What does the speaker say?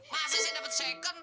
masih saya dapat second